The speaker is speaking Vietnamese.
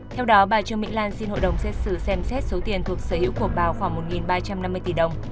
theo đó bà trương mỹ lan xin hội đồng xét xử xem xét số tiền thuộc sở hữu của bà khoảng một ba trăm năm mươi tỷ đồng